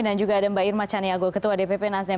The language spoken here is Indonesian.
dan juga ada mbak irma caniago ketua dpp nasden